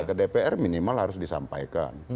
ke dpr minimal harus disampaikan